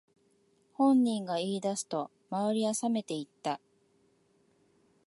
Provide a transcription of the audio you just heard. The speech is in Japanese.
本人が言い出すと周りはさめていった